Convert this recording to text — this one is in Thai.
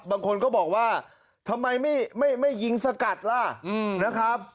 บางคนก็บอกว่าทำไมไม่ยิงสกัดล่ะนะครับ